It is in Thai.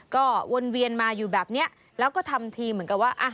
ก็วนเวียนมาอยู่แบบนี้แล้วก็ทำทีเหมือนกับว่า